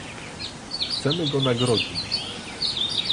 Chcemy go nagrodzić